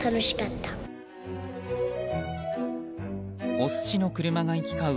お寿司の車が行き交う